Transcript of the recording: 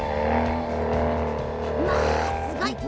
まあすごい！